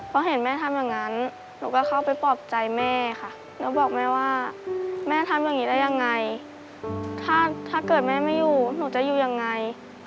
พอเห็นแม่ทำอย่างนั้นหนูก็เข้าไปปลอบใจแม่ค่ะแล้วบอกแม่ว่าแม่ทำอย่างนี้ได้ยังไงถ้าเกิดแม่ไม่อยู่หนูจะอยู่ยังไง